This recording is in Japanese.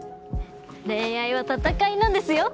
恋愛は戦いなんですよ